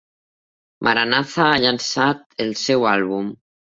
Maranatha ha llançat el seu àlbum!